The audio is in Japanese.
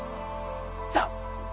さあ！